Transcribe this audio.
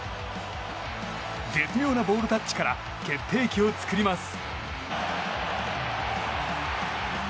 絶妙なボールタッチから決定機を作ります。